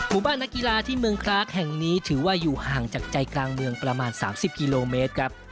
บ้านนักกีฬาที่เมืองคลากแห่งนี้ถือว่าอยู่ห่างจากใจกลางเมืองประมาณ๓๐กิโลเมตรครับ